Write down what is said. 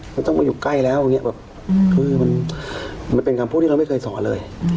มันต้องมาอยู่ใกล้แล้วอย่างนี้แบบคือมันเป็นคำพูดที่เราไม่เคยสอนเลย